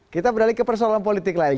kita beralih ke persoalan politik lain